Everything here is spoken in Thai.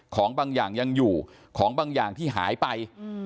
ของบางอย่างยังอยู่ของบางอย่างที่หายไป